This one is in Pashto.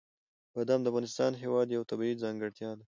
بادام د افغانستان هېواد یوه طبیعي ځانګړتیا ده.